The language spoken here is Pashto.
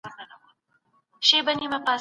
دوی د سکولاستیک په نوم ښوونیز سیستم درلود.